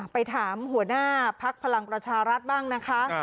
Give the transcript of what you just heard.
ไปถามหัวหน้าพักพลังประชารัฐบ้างนะคะ